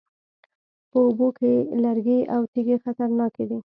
په اوبو کې لرګي او تیږې خطرناکې دي